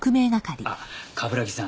あっ冠城さん